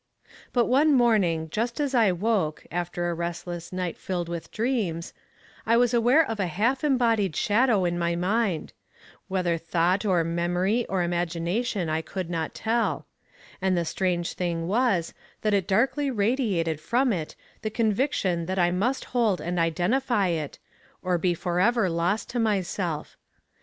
"'But one morning, just as I woke, after a restless night filled with dreams, I was aware of a half embodied shadow in my mind whether thought or memory or imagination, I could not tell: and the strange thing was, that it darkly radiated from it the conviction that I must hold and identify it, or be for ever lost to myself.